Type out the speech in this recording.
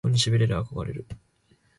そこに痺れる憧れる